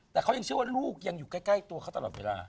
แต่เขายังเชื่อว่าลูกยังอยู่ใกล้ตัวเขาตลอดเวลา